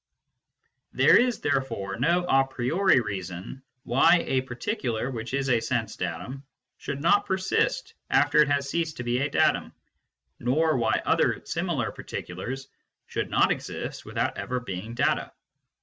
There is therefore no a priori reason why a particular which is a sense datum should not persist after it has ceased to be a datum, nor why other similar particulars should not exist without ever being data.